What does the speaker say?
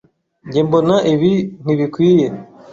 Njye mbona, ibi ntibikwiye.